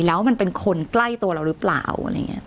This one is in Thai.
แล้วมันเป็นคนใกล้ตัวเราหรือเปล่าอะไรอย่างนี้